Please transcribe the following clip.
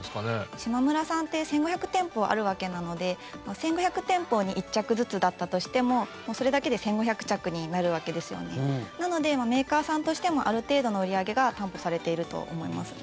しまむらさんって１５００店舗あるわけなので１５００店舗に１着ずつだったとしてもなのでメーカーさんとしてもある程度の売り上げが担保されていると思います。